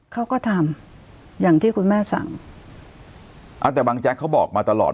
เขาก็ทำอย่างที่คุณแม่สั่งอ่าแต่บางแจ๊กเขาบอกมาตลอด